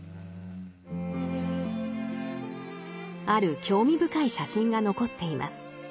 ある興味深い写真が残っています。